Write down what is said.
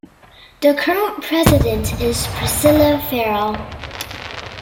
The current president is Priscilla Feral.